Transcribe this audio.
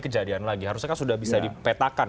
kejadian lagi harusnya kan sudah bisa dipetakan